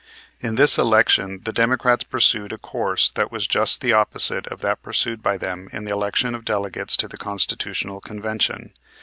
In this election the Democrats pursued a course that was just the opposite of that pursued by them in the election of delegates to the Constitutional Convention.